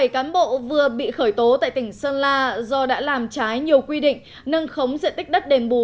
bảy cán bộ vừa bị khởi tố tại tỉnh sơn la do đã làm trái nhiều quy định nâng khống diện tích đất đền bù